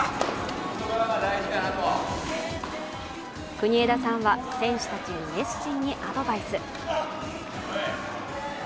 国枝さんは選手たちに熱心にアドバイス。